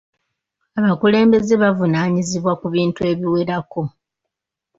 Abakulembeze bavunaanyizibwa ku bintu ebiwerako.